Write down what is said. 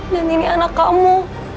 dan ini anak kamu